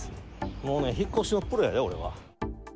もうね、引っ越しのプロやで、俺は。